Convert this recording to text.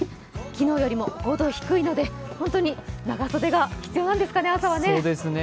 昨日よりも５度低いので本当に長袖が必要なんですかね、朝はね。